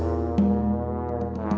siapa yang datang gitu